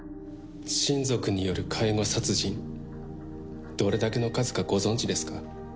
親族による介護殺人、どれだけの数かご存じですか？